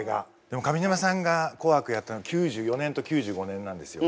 でも上沼さんが「紅白」やったの９４年と９５年なんですよ。